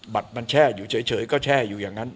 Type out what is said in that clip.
บัตรมันแช่อยู่เฉยก็แช่อยู่อย่างนั้น